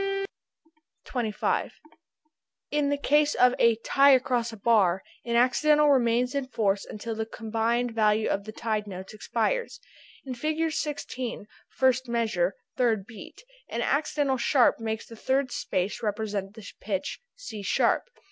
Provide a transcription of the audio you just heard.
[Illustration: Fig. 14.] [Illustration: Fig. 15.] 25. In the case of a tie across a bar an accidental remains in force until the combined value of the tied notes expires. In Fig. 16 first measure, third beat, an accidental sharp makes the third space represent the pitch C sharp.